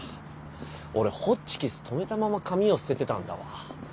俺ホッチキスとめたまま紙を捨ててたんだわ。